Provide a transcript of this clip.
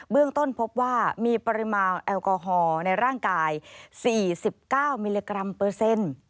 เรื่องต้นพบว่ามีปริมาณแอลกอฮอล์ในร่างกาย๔๙มิลลิกรัมเปอร์เซ็นต์